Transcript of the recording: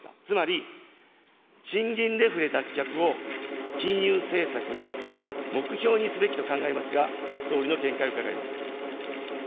つまり賃金デフレ脱却を金融政策の目標にすべきと考えますが、総理の見解を伺います。